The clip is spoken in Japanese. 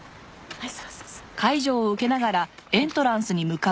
はい。